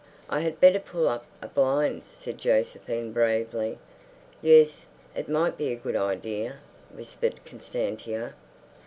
"I had better pull up a blind," said Josephine bravely. "Yes, it might be a good idea," whispered Constantia.